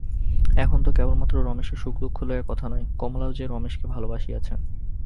এখন তো কেবলমাত্র রমেশের সুখদুঃখ লইয়া কথা নয়, কমলাও যে রমেশকে ভালোবাসিয়াছে।